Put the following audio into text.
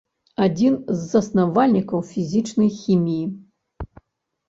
Адзін з заснавальнікаў фізічнай хіміі.